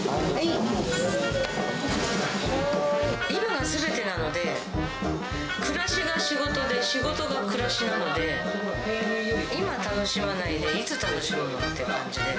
今がすべてなので、暮らしが仕事で、仕事が暮らしなので、今楽しまないでいつ楽しむのって感じで。